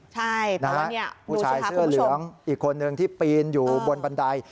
ใช่นะฮะผู้ชายเสื้อเหลืองอีกคนนึงที่ปีนอยู่บนบันได